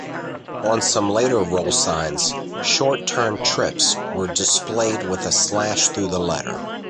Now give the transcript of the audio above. On some later rollsigns, short-turn trips were displayed with a slash through the letter.